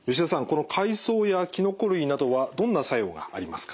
この海藻やきのこ類などはどんな作用がありますか？